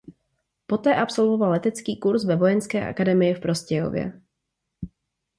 Po té absolvoval letecký kurz ve Vojenské akademii v Prostějově.